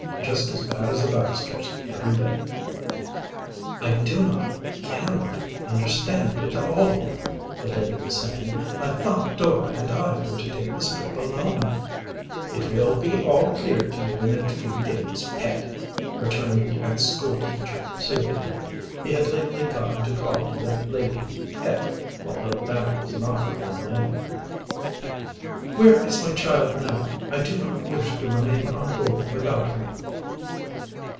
Just as bad as the Baxters, every bit!" "I do not, cannot, understand it all," the lady was saying. "I thought Dora and I were to take this trip alone." "It will all be clear to you in a few days, Pet," returned the ex school teacher soothingly. He had lately gotten to calling the lady "Pet," although that was not her real name. "Where is my child now? I do not wish to remain on board without her."